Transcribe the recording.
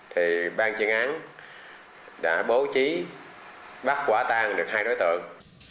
thì bang chuyên án đã bố trí bắt quả tàn được hai đối tượng